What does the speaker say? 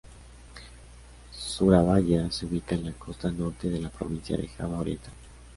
Surabaya se ubica en la costa norte de la provincia de Java Oriental.